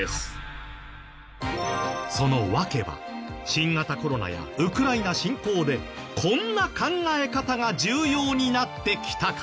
その訳は新型コロナやウクライナ侵攻でこんな考え方が重要になってきたから。